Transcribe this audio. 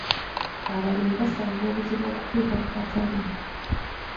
Abalimi basanga obuzibu okutuuka mu katale.